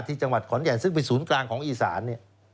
จังหวัดขอนแก่นซึ่งเป็นศูนย์กลางของอีสานเนี่ย